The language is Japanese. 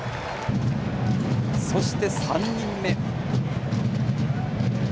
そして３人目。